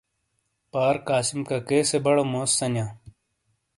پار قاسم ککے سے بڑو موزسَنیاں۔